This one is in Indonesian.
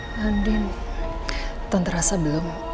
tante tante rasa belum